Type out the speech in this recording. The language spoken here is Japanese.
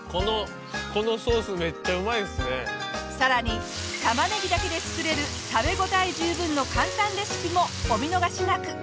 さらにたまねぎだけで作れる食べ応え十分の簡単レシピもお見逃しなく。